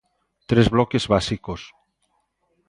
Tres bloques básicos.